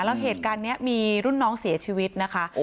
แล้วเหตุการณ์นี้มีรุ่นน้องเสียชีวิตนะคะ